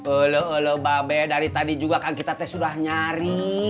olah olah mbak be dari tadi juga kan kita tes sudah nyari